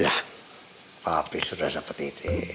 ya papi sudah dapat ide